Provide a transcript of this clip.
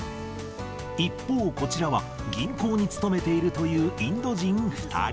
一方、こちらは銀行に勤めているというインド人２人。